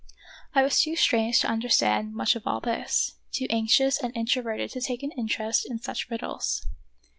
I was too strange to understand much of all this; too anxious and introverted to take an interest in such riddles.